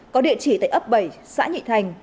có địa chỉ tại ấp bảy xã nhị thành